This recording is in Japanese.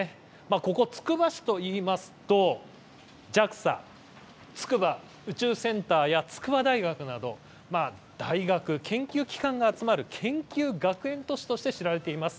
つくば市といいますとＪＡＸＡ筑波宇宙センターや筑波大学など大学研究機関が集まる研究学園都市として知られています。